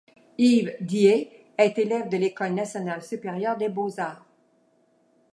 Yves Dieÿ est élève de l'École nationale supérieure des beaux-arts.